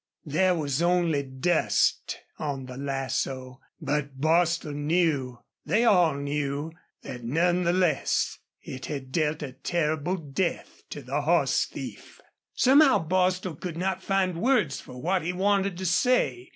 There was only dust on the lasso. But Bostil knew they all knew that none the less it had dealt a terrible death to the horse thief. Somehow Bostil could not find words for what he wanted to say.